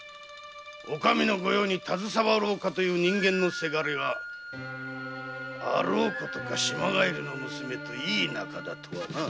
お上の御用にたずさわろうかという人間の伜があろうことか島帰りの娘といい仲だとはなぁ。